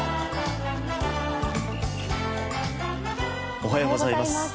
おはようございます。